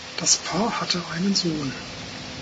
Das Paar hatte einen Sohn.